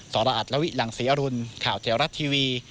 รอัตลวิหลังศรีอรุณข่าวแถวรัฐทีวี